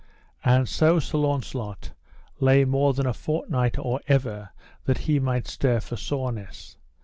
And so Sir Launcelot lay more than a fortnight or ever that he might stir for soreness.